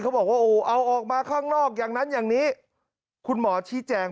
บอกว่าโอ้เอาออกมาข้างนอกอย่างนั้นอย่างนี้คุณหมอชี้แจง